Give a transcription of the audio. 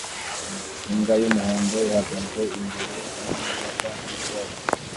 Imbwa y'umuhondo ihagaze imbere yimodoka yicyatsi